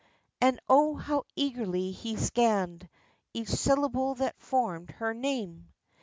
And oh, how eagerly he scanned Each syllable that formed her name